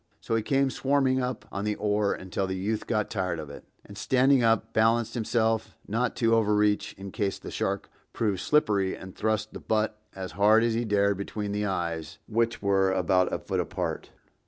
So he came swarming up on the oar until the youth got tired of it, and standing up, balanced himself not to overreach in case the shark proved slippery and thrust the butt as hard as he dared between the eyes, which were about a foot apart.